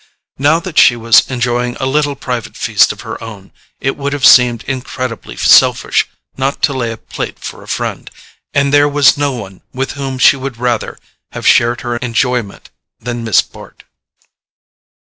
Now that she was enjoying a little private feast of her own, it would have seemed incredibly selfish not to lay a plate for a friend; and there was no one with whom she would rather have shared her enjoyment than Miss Bart.